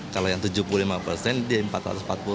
kalau yang tujuh puluh lima persen dia empat ratus empat puluh